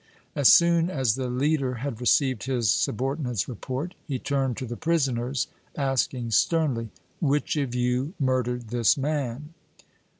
As soon as the leader had received his subordinate's report, he turned to the prisoners, asking, sternly: "Which of you murdered this man?"